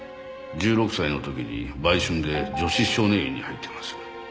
１６歳の時に売春で女子少年院に入っています。